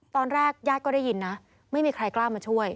ตอนแรกญาติก็ได้ยินนะไม่มีใครกล้ามาช่วย